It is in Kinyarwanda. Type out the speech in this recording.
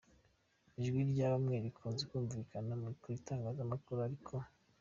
Ijwi rya bamwe rikunze kumvikana ko itangazamakuru ari